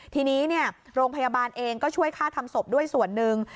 ทีนี้โรงพยาบาลเองก็ช่วยฆ่าทำศพด้วยส่วนหนึ่ง